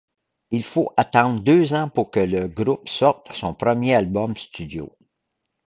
Il faut attendre deux ans pour que le groupe sorte son premier album studio.